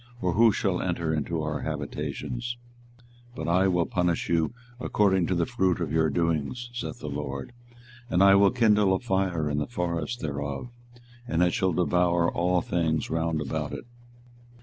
or who shall enter into our habitations? 24:021:014 But I will punish you according to the fruit of your doings, saith the LORD: and I will kindle a fire in the forest thereof, and it shall devour all things round about it.